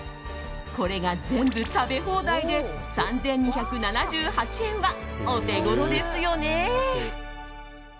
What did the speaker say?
これが全部食べ放題で３２７８円はオテゴロですよね？